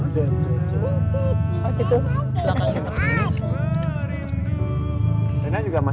dan mengdirecti damp grandparents